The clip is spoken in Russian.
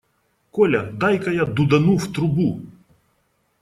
Коля, дай-ка я дудану в трубу.